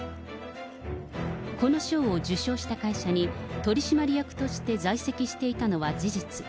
この賞を受賞した会社に、取締役として在籍していたのは事実。